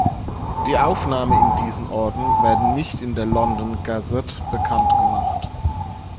Die Aufnahmen in diesen Orden werden nicht in der London Gazette bekannt gemacht.